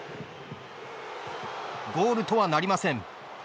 ゴールとはなりません。